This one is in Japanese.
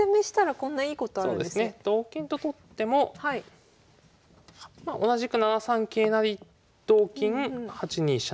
同金と取っても同じく７三桂成同金８二飛車